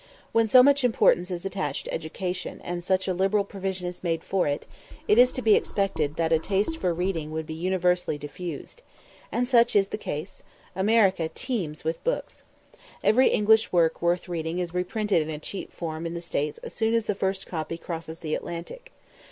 When so much importance is attached to education, and such a liberal provision is made for it, it is to be expected that a taste for reading would be universally diffused. And such is the case: America teems with books. Every English work worth reading is reprinted in a cheap form in the States as soon as the first copy crosses the Atlantic.